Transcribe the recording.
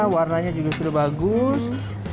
warnanya juga sudah bagus